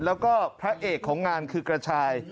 แล้วก็พระเอกของงานคือกระชาย